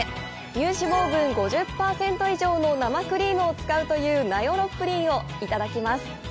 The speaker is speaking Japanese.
乳脂肪分５０％以上の生クリームを使うという名寄プリンをいただきます。